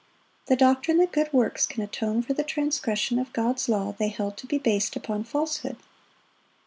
The doctrine that good works can atone for the transgression of God's law, they held to be based upon falsehood.